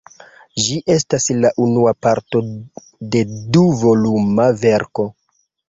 Ĝi estas la unua parto de du-voluma verko.